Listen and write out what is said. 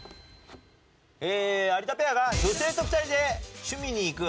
有田ペアが女性と２人で趣味に行く。